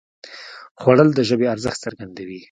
خوړل د ژبې ارزښت څرګندوي